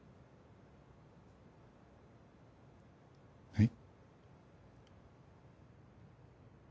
はい？